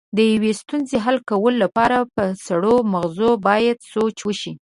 د یوې ستونزې حل کولو لپاره په سړو مغزو باید سوچ وشي.